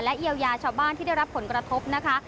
เยียวยาชาวบ้านที่ได้รับผลกระทบนะคะ